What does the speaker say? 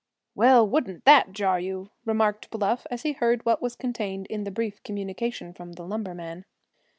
"Well, wouldn't that jar you?" remarked Bluff, as he heard what was contained in the brief communication from the lumberman.